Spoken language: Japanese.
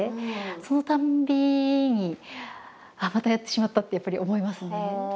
そのたんびにああまたやってしまったってやっぱり思いますね。